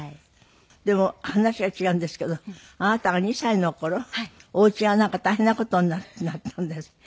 でも話が違うんですけどあなたが２歳の頃お家がなんか大変な事になったんですって？